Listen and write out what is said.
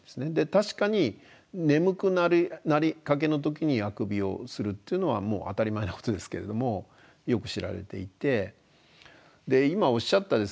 確かに眠くなりかけの時にあくびをするっていうのはもう当たり前なことですけれどもよく知られていて今おっしゃったですね